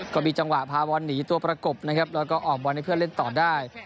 ก็มีจังหวะพาบอลหนีตัวประกบนะครับแล้วก็ออกบอลให้เพื่อนเล่นต่อได้